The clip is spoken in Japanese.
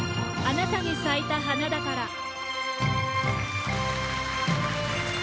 「あなたに咲いた花だから」。